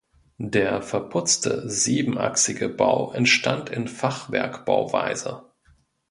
Der verputzte siebenachsige Bau entstand in Fachwerkbauweise.